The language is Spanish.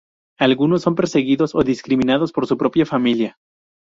Algunos son perseguidos o discriminados por su propia familia.